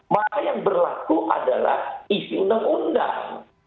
maka yang berlaku adalah isi undang undang